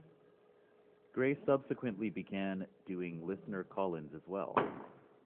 Gray subsequently began doing listener call-ins as well.